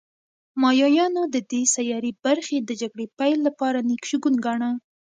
مایایانو د دې سیارې برخې د جګړې پیل لپاره نېک شګون گاڼه